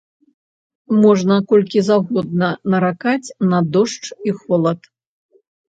Можна колькі заўгодна наракаць на дождж і холад.